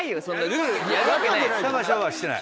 シャバシャバはしてない。